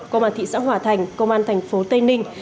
công an thị xã hòa thành công an thành phố tây ninh